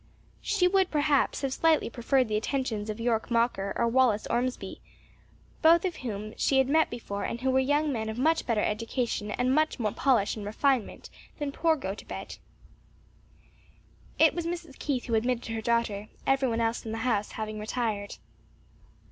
She would, perhaps, have slightly preferred the attentions of Yorke Mocker, or Wallace Ormsby; both of whom she had met before and who were young men of much better education and much more polish and refinement than poor Gotobed. It was Mrs. Keith who admitted her daughter; every one else in the house having retired.